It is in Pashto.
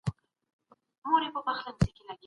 کینز د اقتصادي رکود لپاره حل لاري لرلې.